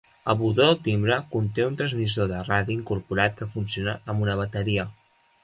El botó del timbre conté un transmissor de radi incorporat que funciona amb una bateria.